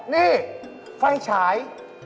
นี่ไฟฉาย